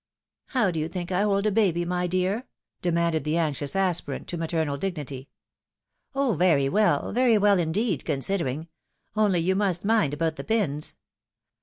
" How do you think I hold a baby, my dear ?" demanded the anxious aspirant to maternal dignity. " Oh, very well !— ^very weU indeed, considering — only you must mind about the pins.